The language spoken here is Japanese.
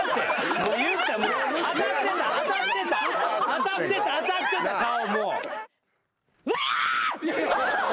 当たってた当たってた顔。